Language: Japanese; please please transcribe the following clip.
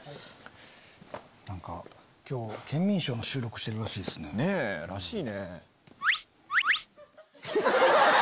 何か今日『ケンミンＳＨＯＷ』の収録してるらしいっすね。らしいね。